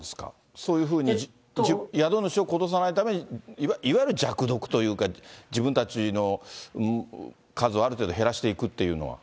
そういうふうに宿主を殺さないために、いわゆる弱毒というか、自分たちの数をある程度、減らしていくっていうのは？